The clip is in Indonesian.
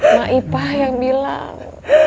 mak ipah yang bilang